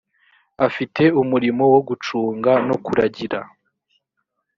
afite umurimo wo gucunga no kuragira